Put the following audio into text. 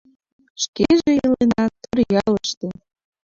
Шкеже илена Торъялыште